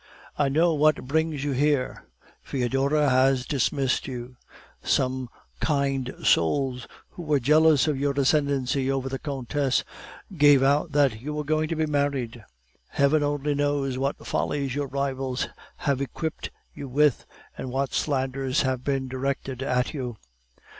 'I know what brings you here. Foedora has dismissed you. Some kind souls, who were jealous of your ascendency over the countess, gave out that you were going to be married. Heaven only knows what follies your rivals have equipped you with, and what slanders have been directed at you.